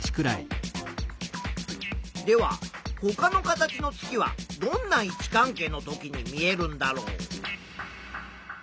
ではほかの形の月はどんな位置関係の時に見えるんだろう。